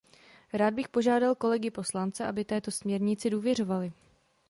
Rád bych požádal kolegy poslance, aby této směrnici důvěřovali.